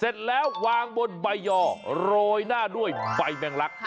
เสร็จแล้ววางบนใบยอโรยหน้าด้วยใบแมงลักษ